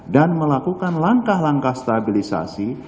dan melakukan langkah langkah stabilisasi